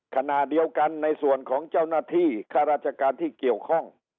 ขณะเดียวกันในส่วนของเจ้าหน้าที่ข้าราชการที่เกี่ยวข้อง